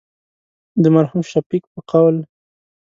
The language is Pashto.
د مرحوم شفیق په قول.